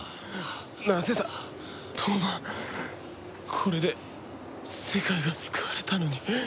これで世界が救われたのに。